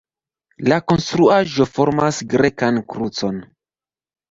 La konstruaĵo formas grekan krucon.